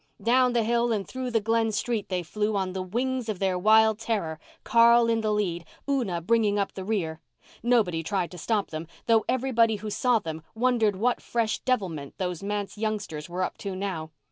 Down the hill and through the Glen street they flew on the wings of their wild terror, Carl in the lead, Una bringing up the rear. Nobody tried to stop them, though everybody who saw them wondered what fresh devilment those manse youngsters were up to now.